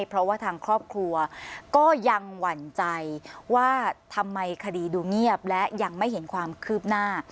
เพราะว่าทางครอบครัวก็ยังหวั่นใจว่าทำไมคดีดูเงียบและยังไม่เห็นความคืบหน้า